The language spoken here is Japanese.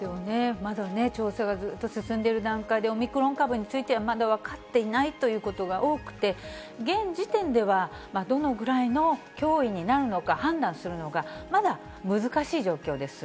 まだ調査がずっと進んでいる段階で、オミクロン株については、まだ分かっていないということが多くて、現時点では、どのぐらいの脅威になるのか、判断するのがまだ難しい状況です。